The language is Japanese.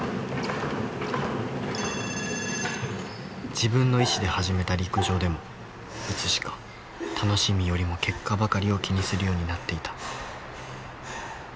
自分の意思で始めた陸上でもいつしか楽しみよりも結果ばかりを気にするようになっていた。